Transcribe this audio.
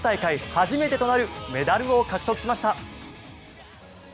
初めてとなるメダルを獲得しました。